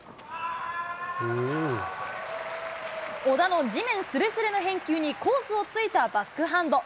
小田の地面すれすれの返球に、コースを突いたバックハンド。